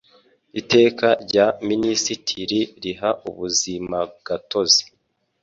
Iteka rya Minisitiri riha ubuzimagatozi